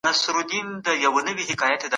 د لويي جرګې غړي له مرکزي حکومت څخه څه غواړي؟